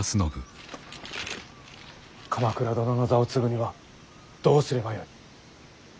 鎌倉殿の座を継ぐにはどうすればよい？